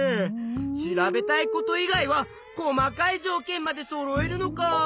調べたいこと以外は細かいじょうけんまでそろえるのかあ。